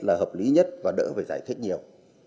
là hợp lý nhất và đỡ phải giải thích nhiều